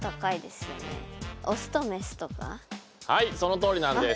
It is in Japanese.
はいそのとおりなんです。